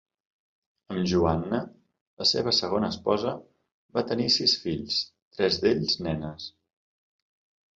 Amb Joanna, la seva segona esposa, va tenir sis fills, tres d"ells nenes.